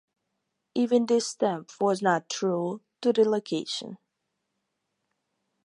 Even this stamp was not true to the location.